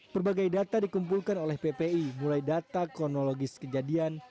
berbagai data dikumpulkan oleh ppi mulai data kronologis kejadian